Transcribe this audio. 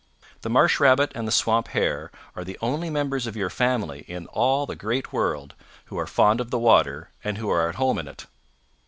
The Marsh Rabbit and the Swamp Hare are the only members of your family in all the Great World who are fond of the water and who are at home in it.